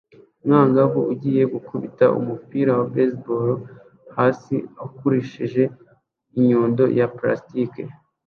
Umwangavu ugiye gukubita umupira wa baseball hasi ukoresheje inyundo ya plastiki